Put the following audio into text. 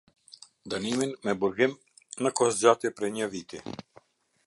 Dënimin me Burgim në kohëzgjatje prej një viti.